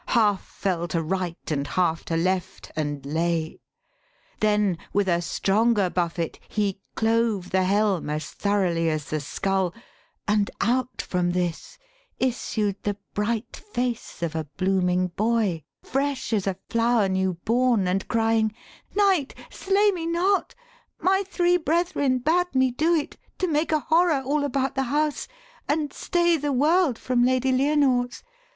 Half fell to right and half to left and lay. Then with a stronger buffet he clove the helm As thoroughly as the skull; and out from this Issued the bright face of a blooming boy Fresh as a flower new born, and crying, 'Knight, Slay me not: my three brethren bade me do it, To make a horror all about the house, And stay the world from Lady Lyonors.